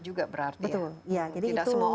juga berarti ya tidak semua